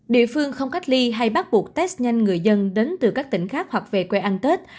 địa phương không cách ly hay bắt buộc test nhanh người dân đến từ các tỉnh khác hoặc về quê ăn tết